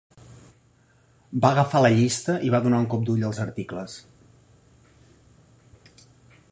Va agafar la llista i va donar un cop d'ull als articles.